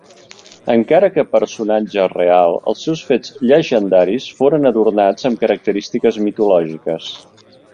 Encara que personatge real, els seus fets llegendaris foren adornats amb característiques mitològiques.